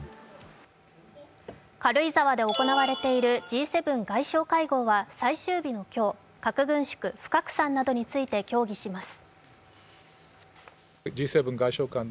軽井沢で行われているＧ７外相会合は最終日の今日、核軍縮・不拡散などについて協議します。